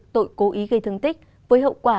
tội cố ý gây thương tích với hậu quả